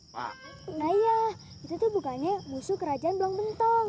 nah iya itu tuh bukannya musuh kerajaan blong bentong